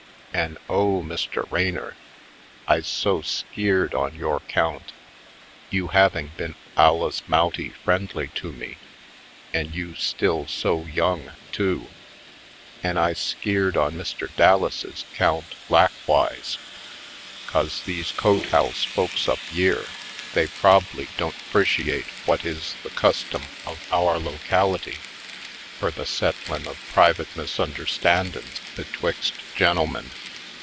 An' oh, Mr. Raynor, I's so skeered on yore 'count — ^you havin' been alluz mouty friendly to me an' you still so young, tool An' I's skeered on Mr. Dallases' 'count lak wise, 'cause these cotehouse folks up yere they prob'ly won't 'preciate whut is the cus tom of our locality fur the settlin' of privit misunderstandin's betwixt gen'elmen.